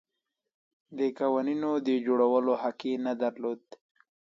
د قوانینو د جوړولو حق یې نه درلود.